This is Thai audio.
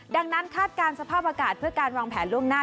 ดังนั้นคาดการณ์สภาพอากาศเพื่อการวางแผนล่วงหน้า